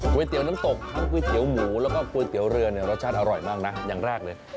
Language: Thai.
๋วเตี๋ยวน้ำตกทั้งก๋วยเตี๋ยวหมูแล้วก็ก๋วยเตี๋ยวเรือเนี่ยรสชาติอร่อยมากนะอย่างแรกเลย